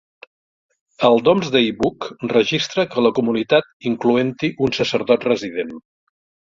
El "Domesday Book" registra que la comunitat incloent-hi un sacerdot resident.